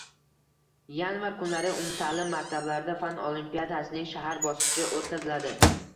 Yanvar kunlari umumtaʼlim maktablarida fan olimpiadasining shahar bosqichi oʻtkaziladi.